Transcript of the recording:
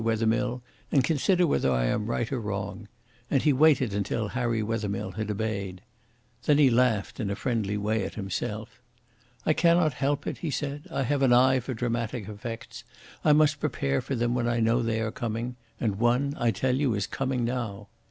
Wethermill, and consider whether I am right or wrong"; and he waited until Harry Wethermill had obeyed. Then he laughed in a friendly way at himself. "I cannot help it," he said; "I have an eye for dramatic effects. I must prepare for them when I know they are coming. And one, I tell you, is coming now."